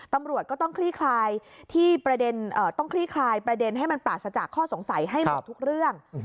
ตำรวจก็ต้องคลี่คลายให้มันปราศจากข้อสงสัยให้หมดทุกเรื่อง